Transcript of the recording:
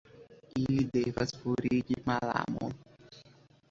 Ili devas forigi malamon.